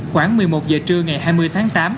khoảng một mươi một giờ trưa ngày hai mươi tháng tám